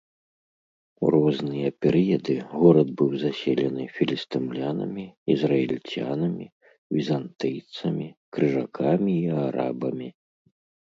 У розныя перыяды горад быў заселены філістымлянамі, ізраільцянамі, візантыйцамі, крыжакамі і арабамі.